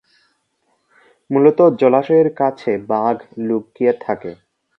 মুলত জলাশয়ের কাছে বাঘ লুকিয়ে থাকে।